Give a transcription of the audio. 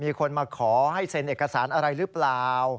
มีคนมาขอให้เซ็นเอกสารอะไรหรือเปล่า